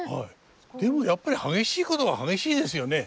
でもやっぱり激しいことは激しいですよね。